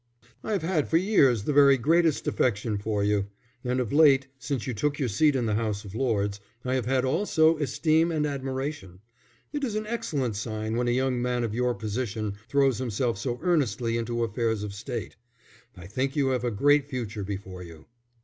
"I have had for years the very greatest affection for you; and of late, since you took your seat in the House of Lords, I have had also esteem and admiration. It is an excellent sign when a young man of your position throws himself so earnestly into affairs of State. I think you have a great future before you."